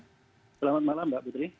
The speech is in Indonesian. selamat malam mbak bivitri